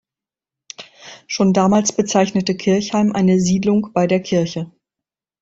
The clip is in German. Schon damals bezeichnete Kirchheim eine „Siedlung bei der Kirche“.